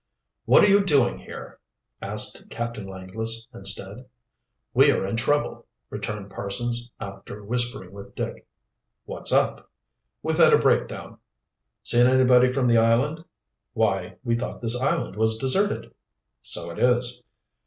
"What are you doing here?" asked Captain Langless instead. "We are in trouble," returned Parsons, after whispering with Dick. "What's up?" "We've had a breakdown." "Seen anybody from the island?" "Why, we thought this island was deserted." "So it is."